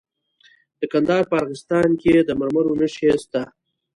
د کندهار په ارغستان کې د مرمرو نښې شته.